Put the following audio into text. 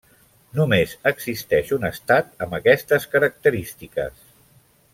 Només existeix un estat amb aquestes característiques: